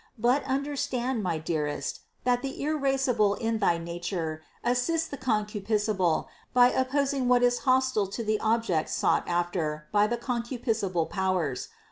But understand, my dearest, that the irascible in thy nature assists the concupiscible by oppos ing what is hostile to the object sought after by the con cupiscible powers.